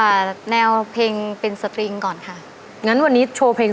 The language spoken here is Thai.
แนวเพลงเป็นสตริงก่อนค่ะงั้นวันนี้โชว์เพลง